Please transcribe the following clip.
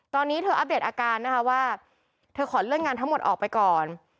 ตอนนี้เธออัปเดตอาการนะคะว่าเธอขอเลื่อนงานทั้งหมดออกไปก่อน